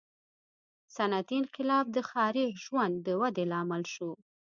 • صنعتي انقلاب د ښاري ژوند د ودې لامل شو.